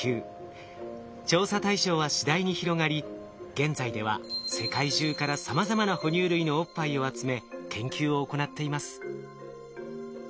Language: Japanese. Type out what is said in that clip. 現在では世界中からさまざまな哺乳類のおっぱいを集め研究を行っています。